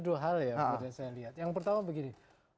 dua hal yang saya lihat yang pertama begini